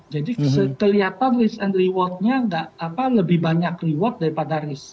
kelihatan risk and rewardnya lebih banyak reward daripada risk